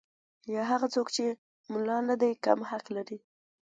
یا هغه څوک چې ملا نه دی کم حق لري.